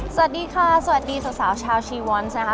สวัสดีค่ะสวัสดีสาวชาวชีวอนนะคะ